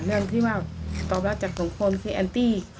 เรื่องที่ว่าตอบรับจากสองคนคือแอนตี้